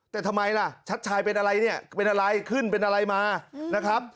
แต่ทำไมล่ะชัดชายเป็นอะไรเนี่ยเป็นอะไรขึ้นเป็นอะไรมานะครับ